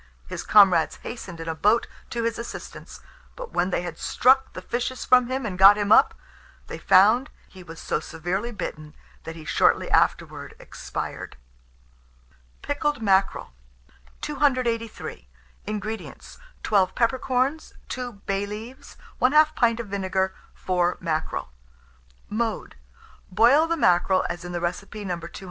His comrades hastened in a boat to his assistance; but when they had struck the fishes from him and got him up, they found he was so severely bitten, that he shortly afterward expired. PICKLED MACKEREL. 283. INGREDIENTS. 12 peppercorns, 2 bay leaves, 1/2 pint of vinegar, 4 mackerel. Mode. Boil the mackerel as in the recipe No.